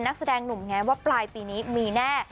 นักแสดงหนุ่มแง้มว่าปลายปีนี้มีแน่